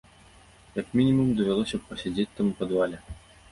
Як мінімум, давялося б пасядзець там у падвале.